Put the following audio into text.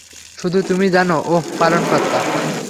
শুধু তুমি জানো ওহ পালনকর্তা!